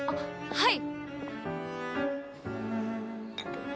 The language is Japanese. はい。